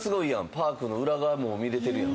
パークの裏側も見れてるやん。